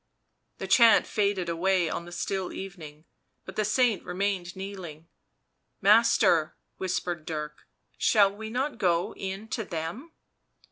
The chant faded away on the still evening, but the saint remained kneeling. " Master," whispered Dirk, " shall we not go in to them?"